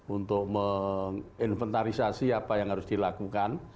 untuk menginventarisasi apa yang harus dilakukan